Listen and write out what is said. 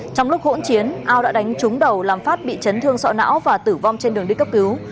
trong lúc hỗn chiến ao đã đánh trúng đầu làm phát bị chấn thương sọ não và tử vong trên đường đi cấp cứu